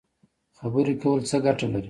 خبرې کول څه ګټه لري؟